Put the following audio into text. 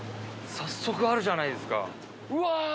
早速あるじゃないですか。